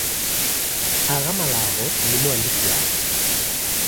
Agha malagho nimuandikiagha.